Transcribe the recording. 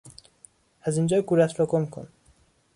از اینجا گورت را گم کن!